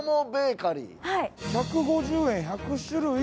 １５０円１００種類